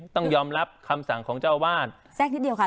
ต้องยอมรับคำสั่งของเจ้าอาวาสแทรกนิดเดียวค่ะ